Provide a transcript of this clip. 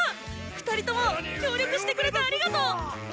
２人とも協力してくれてありがとう！